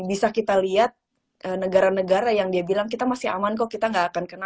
bisa kita lihat negara negara yang dia bilang kita masih aman kok kita gak akan kena